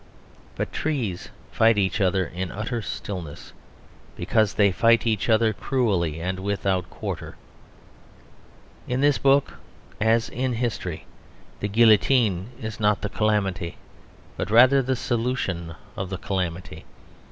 But trees fight each other in utter stillness; because they fight each other cruelly and without quarter. In this book, as in history, the guillotine is not the calamity, but rather the solution of the calamity.